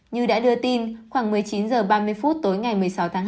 như đã đưa tin khoảng một mươi chín h ba mươi phút tối ngày một mươi sáu tháng tám